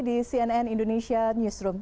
di cnn indonesia newsroom